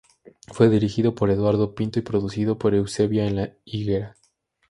Fue dirigido por Eduardo Pinto y producido por Eusebia en la higuera.